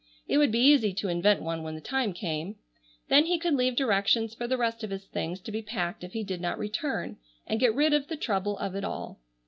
It would be easy to invent one when the time came. Then he could leave directions for the rest of his things to be packed if he did not return, and get rid of the trouble of it all.